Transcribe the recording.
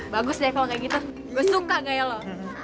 bagus deh kalau kayak gitu gue suka gaya lo